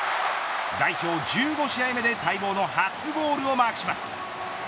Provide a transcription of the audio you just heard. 代表１５試合目で待望の初ゴールをマークします。